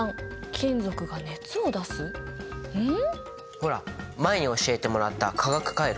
ほら前に教えてもらった化学カイロ。